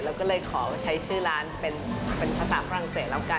เราก็เลยขอใช้ชื่อร้านเป็นภาษาฝรั่งเศสแล้วกัน